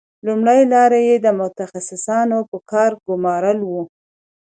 لومړۍ لار یې د متخصصانو په کار ګومارل وو